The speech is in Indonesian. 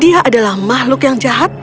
dia adalah makhluk yang jahat